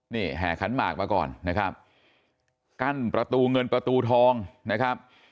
นี่แห่ขันหมากมาก่อนนะครับกั้นประตูเงินประตูทองนะครับ